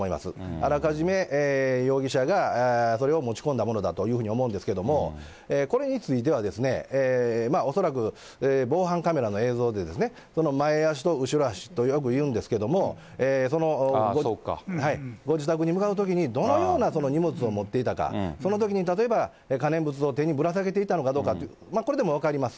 あらかじめ容疑者が、それを持ち込んだものだというふうに思うんですけども、これについては、恐らく防犯カメラの映像で、前足と後ろ足とよく言うんですけど、そのご自宅に向かうときに、どのような荷物を持っていたか、そのときに例えば、可燃物を手にぶら下げていたのかどうか、これでも分かります。